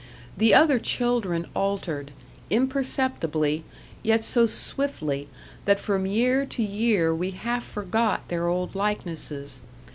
The other children altered, imperceptibly, yet so swiftly, that from year to year we half forgot their old likenesses.